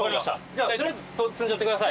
じゃあとりあえず積んじゃってください。